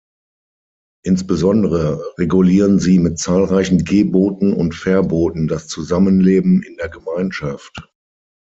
Insbesondere regulieren sie mit zahlreichen Geboten und Verboten das Zusammenleben in der Gemeinschaft.